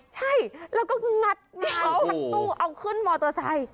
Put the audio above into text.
ใช่แล้วก็งัดงานทั้งตู้เอาขึ้นมอเตอร์ไซค์